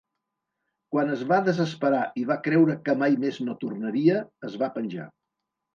Quan es va desesperar i va creure que mai més no tornaria, es va penjar.